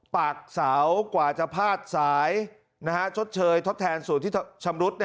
ปากเสากว่าจะพาดสายชดเชยทดแทนส่วนที่ชำรุด